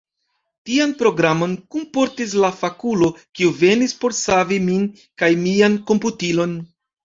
Tian programon kunportis la fakulo, kiu venis por savi min kaj mian komputilon.